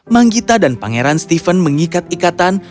manggita dan pangeran stephen mengikat ikatan